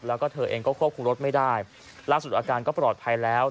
แล้วก็เธอเองก็ควบคุมรถไม่ได้ล่าสุดอาการก็ปลอดภัยแล้ว